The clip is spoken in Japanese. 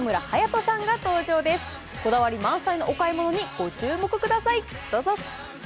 こだわり満載のお買い物にご注目ください。